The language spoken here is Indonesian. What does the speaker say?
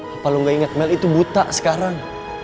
apa lo gak inget mel itu buta sekarang